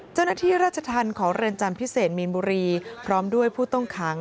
เจ้าหน้าที่รัชธรรมเป็นไมพร้อมด้วยผู้ต้องขัง